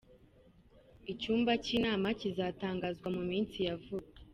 Icyumba cy’inama kizatangazwa mu minsi ya vuba.